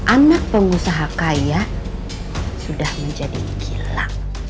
anak pengusaha kaya sudah menjadi gila